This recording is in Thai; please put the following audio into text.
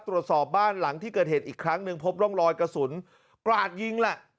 ตรวจสอบบ้านหลังที่เกิดเหตุอีกครั้งหนึ่งพบร่องรอยกระสุนกราดยิงแหละ